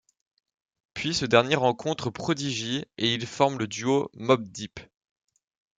Puis ce dernier rencontre Prodigy et ils forment le duo Mobb Deep.